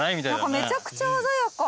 めちゃくちゃ鮮やか。